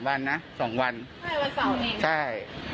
แต่พี่อ่ะมาขอเงินกินกันง่ายอ่ะ